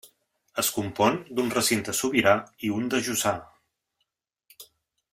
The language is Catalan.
Es compon d'un recinte sobirà i un de jussà.